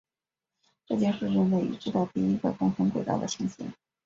这将是人类已知的第一个共同轨道的行星。